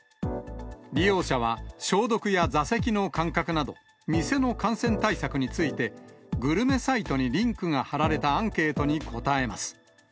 利用者は消毒や座席の間隔など、店の感染対策について、グルメサイトにリンクが貼られたアンケートに答えます。